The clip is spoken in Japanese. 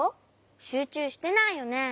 しゅうちゅうしてないよね？